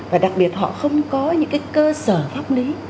và đặc biệt họ không có những cái cơ sở pháp lý